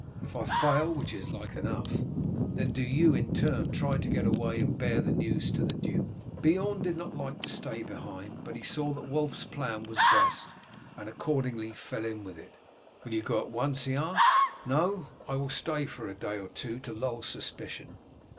If I fail, which is like enough, then do you in turn try to get away and bear the news to the duke." Beorn did not like to stay behind, but he saw that Wulf's plan was best, and accordingly fell in with it. "Will you go at once?" he asked. "No; I will stay for a day or two to lull suspicion.